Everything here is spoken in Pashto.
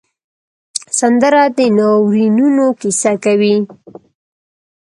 سندره د ناورینونو کیسه کوي